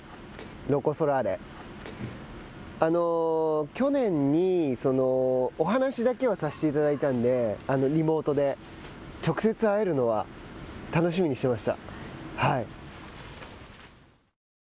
ロコ・ソラーレ去年にお話だけはさせていただいたんでリモートで直接会えるのを楽しみにしてました。